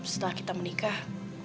setelah kita menikah